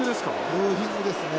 ブーイングですね。